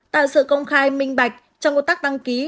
tạo sự công khai minh bạch trong công tác đăng ký